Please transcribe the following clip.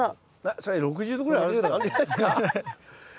それ６０度ぐらいあるんじゃないですか？